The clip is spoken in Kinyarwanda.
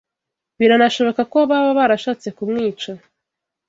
Biranashoboka ko baba barashatse kumwica.